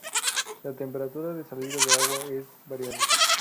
La temperatura de salida del agua es variable.